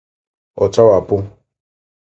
ọ chawàpụ